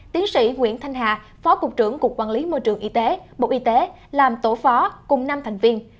tiến sĩ nguyễn thanh hà phó cục trưởng cục quản lý môi trường y tế bộ y tế làm tổ phó cùng năm thành viên